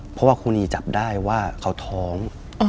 เพราะว่าครูนีจับได้ว่าเขาท้อง